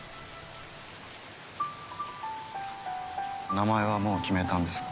名前はもう決めたんですか？